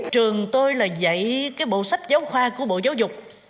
trường tôi là dạy cái bộ sách giáo khoa của bộ giáo dục